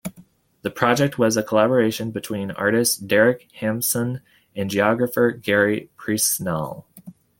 The project was a collaboration between artist Derek Hampson and geographer Gary Priestnall.